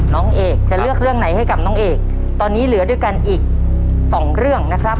น้องเอกจะเลือกเรื่องไหนให้กับน้องเอกตอนนี้เหลือด้วยกันอีกสองเรื่องนะครับ